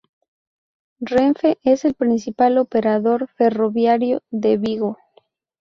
Renfe es el principal operador ferroviario de Vigo.